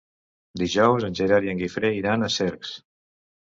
Dijous en Gerard i en Guifré iran a Cercs.